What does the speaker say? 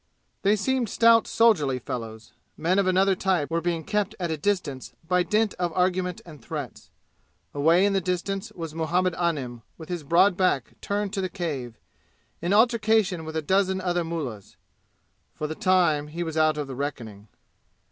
They seemed stout soldierly fellows. Men of another type were being kept at a distance by dint of argument and threats. Away in the distance was Muhammad Anim with his broad back turned to the cave, in altercation with a dozen other mullahs. For the time he was out of the reckoning.